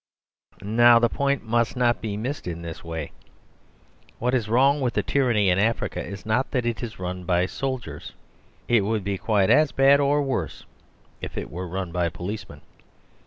Now the point must not be missed in this way. What is wrong with the tyranny in Africa is not that it is run by soldiers. It would be quite as bad, or worse, if it were run by policemen.